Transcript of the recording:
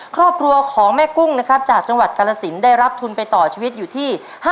ครอบครัวของแม่กุ้งนะครับจากจังหวัดกรสินได้รับทุนไปต่อชีวิตอยู่ที่